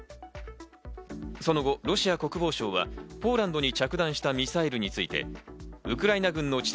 その後、ロシア国防省はポーランドに着弾したミサイルについて、ウクライナ軍の地